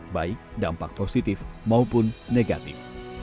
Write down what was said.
baik dampak positif maupun negatif